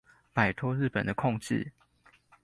擺脫日本的控制